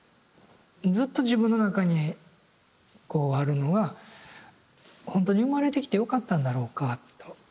ずっと自分の中にこうあるのが「ほんとに生まれてきてよかったんだろうか」と。